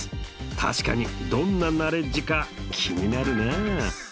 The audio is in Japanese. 確かにどんなナレッジか気になるなあ！